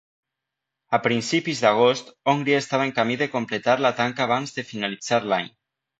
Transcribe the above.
A principis d'agost, Hongria estava en camí de completar la tanca abans de finalitzar l'any.